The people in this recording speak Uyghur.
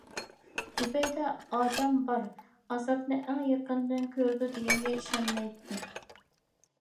زۇبەيدە ‹ئادەم بار ئازابنى ئەڭ يېقىنىدىن كۆرىدۇ› دېگەنگە ئىشەنمەيتتى.